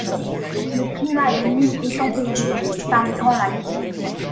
Le climat de l'île est tempéré par les Grands Lacs.